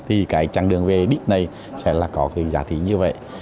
thì cái chặng đường về đích này sẽ là có cái giá trị như vậy